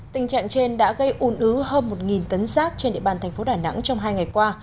tình trạng trên đã gây un ứ hơn một tấn rác trên địa bàn thành phố đà nẵng trong hai ngày qua